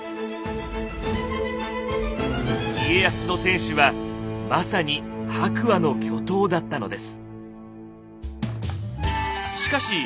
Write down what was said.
家康の天守はまさに白亜の巨塔だったのです。